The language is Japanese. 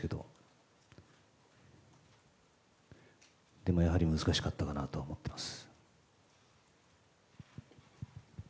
でも、やはり難しかったかなと思っています。